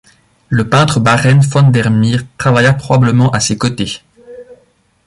Le peintre Barend van der Meer travailla probablement à ses côtés.